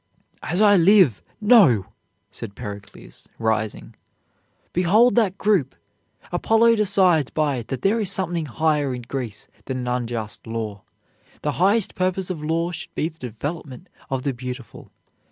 "As I live, no!" said Pericles, rising. "Behold that group! Apollo decides by it that there is something higher in Greece than an unjust law. The highest purpose of law should be the development of the beautiful.